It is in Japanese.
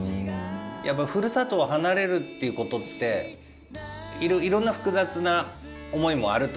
やっぱりふるさとを離れるっていうことっていろんな複雑な思いもあると思うんですよ。